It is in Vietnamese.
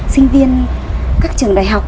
sinh viên các trường đại học